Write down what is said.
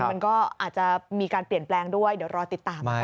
หรือเย็นมันก็อาจจะมีการเปลี่ยนแปลงด้วยเดี๋ยวรอติดตามกันครับ